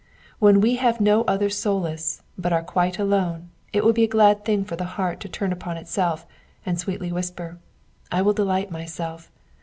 When we have no other solace, but are quite alone, it will be a glad thing for the heart to turn upon itself, and sweetly whisper, '* I will delight myself.